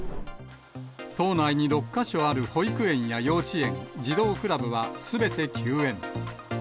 島内に６か所ある保育園や幼稚園、児童クラブはすべて休園。